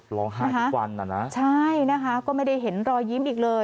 ร้องไห้ทุกวันน่ะนะใช่นะคะก็ไม่ได้เห็นรอยยิ้มอีกเลย